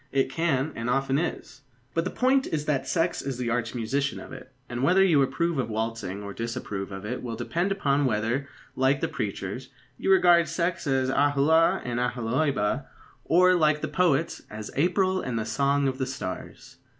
It can, and often is. But the point is that sex is the arch musician of it, and whether you approve of waltzing or disapprove of it will depend upon whether, like the preachers, you regard sex as Aholah and Aholibah, or, like the poets, as April and the song of the stars.